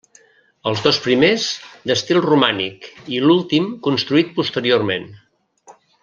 Els dos primers d'estil romànic, i l'últim construït posteriorment.